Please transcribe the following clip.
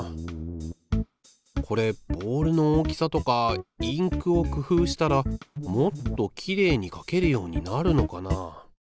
これボールの大きさとかインクを工夫したらもっときれいに書けるようになるのかなあ。